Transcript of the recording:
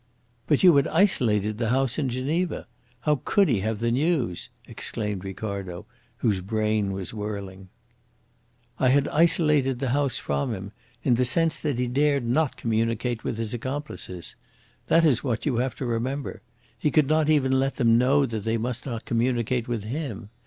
"But you had isolated the house in Geneva. How could he have the news?" exclaimed Ricardo, whose brain was whirling. "I had isolated the house from him, in the sense that he dared not communicate with his accomplices. That is what you have to remember. He could not even let them know that they must not communicate with him.